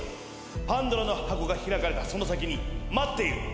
パンドラの箱が開かれたその先に待っている。